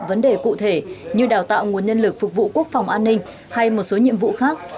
vấn đề cụ thể như đào tạo nguồn nhân lực phục vụ quốc phòng an ninh hay một số nhiệm vụ khác